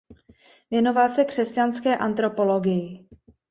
Věnoval se křesťanské antropologii.